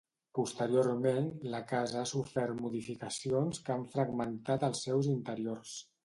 Posteriorment la casa ha sofert modificacions que han fragmentat els seus interiors.